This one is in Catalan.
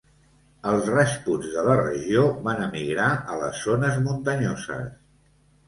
Els rajputs de la regió van emigrar a les zones muntanyoses.